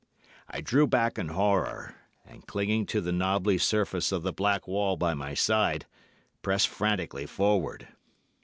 "I drew back in horror, and clinging to the knobbly surface of the black wall by my side, pressed frantically forward.